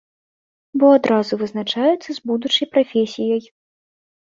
Бо адразу вызначаюцца з будучай прафесіяй.